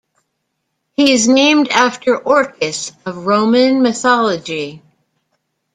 He is named after Orcus of Roman mythology.